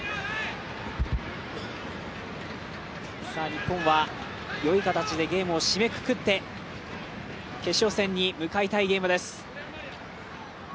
日本はよい形でゲームを締めくくって決勝戦に向かいたいゲームです。